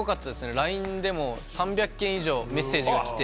ＬＩＮＥでも３００件以上メッセージがきて。